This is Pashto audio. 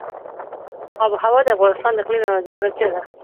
آب وهوا د افغانستان د اقلیم یوه ځانګړتیا ده.